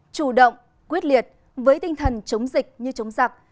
chủ động quyết liệt với tinh thần chống dịch như chống giặc